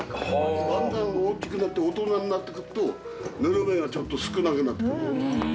だんだん大きくなって大人になってくるとぬめりがちょっと少なくなってくる。